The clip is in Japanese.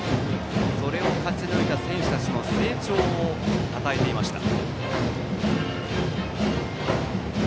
それを勝ち抜いた選手たちの成長をたたえていました。